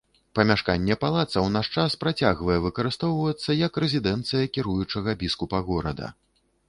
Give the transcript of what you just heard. Памяшканне палаца ў наш час працягвае выкарыстоўвацца як рэзідэнцыя кіруючага біскупа горада.